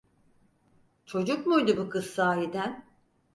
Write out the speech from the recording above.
Çocuk muydu bu kız sahiden?